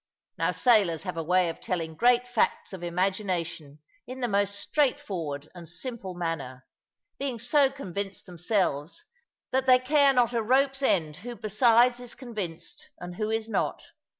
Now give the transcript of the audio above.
Now sailors have a way of telling great facts of imagination in the most straightforward and simple manner, being so convinced themselves that they care not a rope's end who besides is convinced, and who is not.